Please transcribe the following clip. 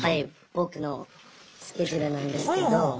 僕のスケジュールなんですけど。